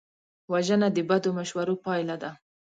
وژنه د بدو مشورو پایله ده